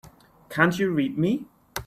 Can't you read me?